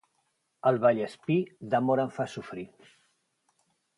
El Vallespir, d'amor em fa sofrir.